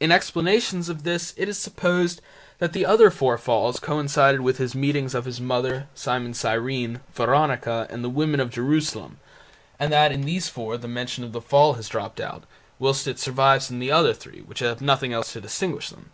In explanations of this it is supposed that the other four falls coincided with His meetings with His Mother, Simon of Cyrene, Veronica, and the women of Jerusalem, and that in these four the mention of the fall has dropped out whilst it survives in the other three which have nothing else to distinguish them.